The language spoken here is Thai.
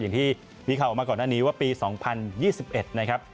อย่างที่มีข่าวออกมาก่อนหน้านี้ว่าปี๒๐๒๑นะครับ